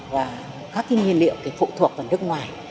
và các nhiên liệu phụ thuộc vào nước ngoài